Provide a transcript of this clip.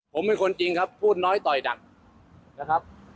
ผมเป็นคนจริงครับพูดน้อยต่อยหนักนะครับ